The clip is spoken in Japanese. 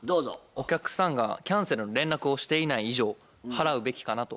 お客さんがキャンセルの連絡をしていない以上払うべきかなと思います。